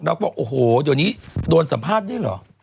เราก็บอกโอ้โหยันนี้โดนสัมภาษณ์ด้วยหรอ